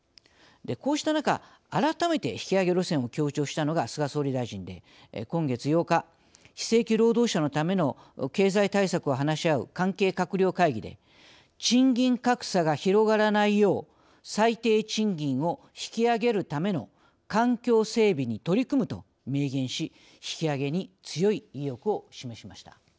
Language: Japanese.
こうした中改めて引き上げ路線を強調したのが菅総理大臣で今月８日非正規労働者のための経済対策を話し合う関係閣僚会議で賃金格差が広がらないよう最低賃金を引き上げるための環境整備に取り組むと明言し引き上げに強い意欲を示しました。